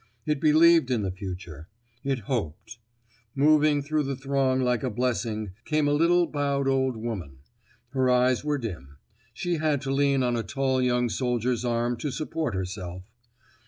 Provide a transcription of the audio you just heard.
It believed in the future. It hoped. Moving through the throng like a blessing, came a little bowed old woman. Her eyes were dim. She had to lean on a tall young soldier's arm to support herself.